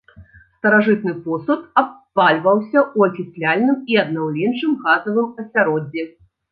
Старажытны посуд абпальваўся ў акісляльным і аднаўленчым газавым асяроддзі.